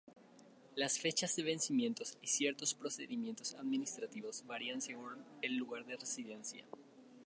Las fechas de vencimiento y ciertos procedimientos administrativos varían según el lugar de residencia.